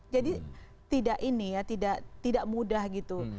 jadi tidak mudah gitu